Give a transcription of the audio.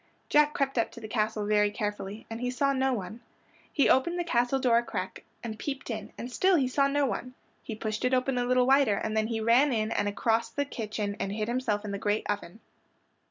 Jack crept up to the castle very carefully, and he saw no one. He opened the castle door a crack and peeped in, and still he saw no one. He pushed it open a little wider and then he ran in and across the kitchen and hid himself in the great oven.